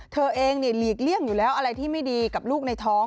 เธอเองหลีกเลี่ยงอยู่แล้วอะไรที่ไม่ดีกับลูกในท้อง